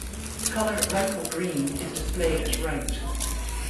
The color "rifle green" is displayed at right.